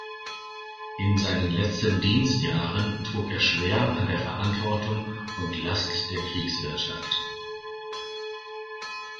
In seinen letzten Dienstjahren trug er schwer an der Verantwortung und Last der Kriegswirtschaft.